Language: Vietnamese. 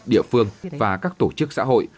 địa phương và các tổ chức xã hội